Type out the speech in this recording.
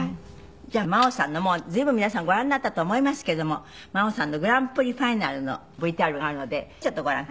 じゃあ真央さんのもう随分皆さんご覧になったと思いますけども真央さんのグランプリファイナルのＶＴＲがあるのでちょっとご覧ください。